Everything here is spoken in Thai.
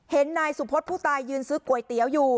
นายสุพธิ์ผู้ตายยืนซื้อก๋วยเตี๋ยวอยู่